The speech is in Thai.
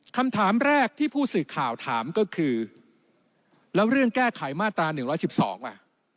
คำถามแรกที่ผู้สื่อข่าวถามก็คือแล้วเรื่องแก้ไขมาตรา๑๑๒ว่ะ